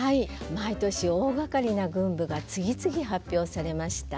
毎年大がかりな群舞が次々発表されました。